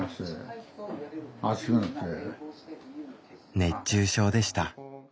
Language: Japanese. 熱中症でした。